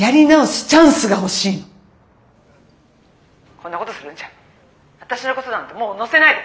こんなことするんじゃ私のことなんてもう載せないで！